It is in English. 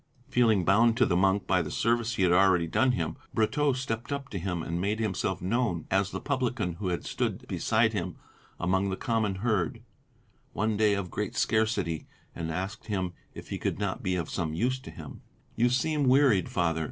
Feeling bound to the monk by the service he had already done him, Brotteaux stepped up to him and made himself known as the publican who had stood beside him among the common herd, one day of great scarcity, and asked him if he could not be of some use to him. "You seem wearied, Father.